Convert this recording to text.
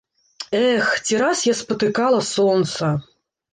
Эх, ці раз я спатыкала сонца.